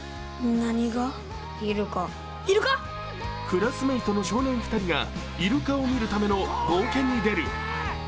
クラスメートの少年２人がいるかを見るための冒険に出る。